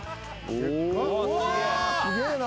おすげえな。